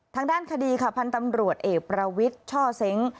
ทางด้านคดีค่ะพันธ์ตำรวจเอกประวิทย์ช่อเซ้ง